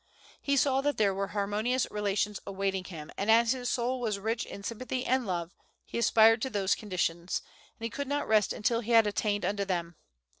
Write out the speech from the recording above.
He saw that there were harmonious relations awaiting him; and as his soul was rich in sympathy and love, he aspired to those conditions, and he could not rest until he had attained unto them.